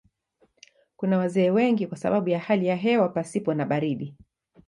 Kuna wazee wengi kwa sababu ya hali ya hewa pasipo na baridi.